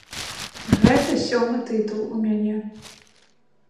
Гэта сёмы тытул у мяне.